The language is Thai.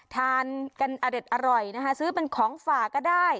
ทานอริตอร่อยสื้อเป็นของฝาก็ได้